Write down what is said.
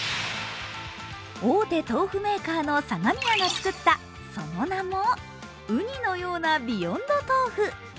大手豆腐メーカーの相模屋が作ったその名も、うにのようなビヨンドとうふ。